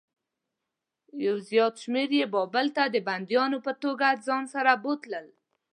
یو زیات شمېر یې بابل ته د بندیانو په توګه ځان سره بوتلل.